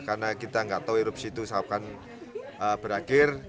karena kita enggak tahu erupsi itu seakan berakhir